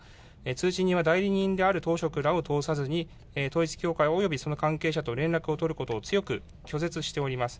通知人は代理人であるらを通さずに、統一教会およびその関係者と連絡を取ることを強く拒絶しております。